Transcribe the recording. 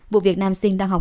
vụ việc nam sinh đang học học